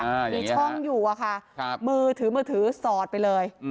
มีช่องอยู่อะค่ะครับมือถือมือถือสอดไปเลย